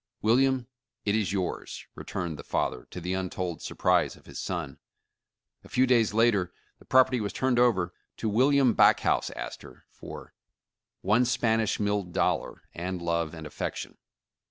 William, it is yours," returned the father, to the untold surprise of his son. A few days later the prop erty was turned over to William Backhouse Astor, for one Spanish milled dollar, and love and affection."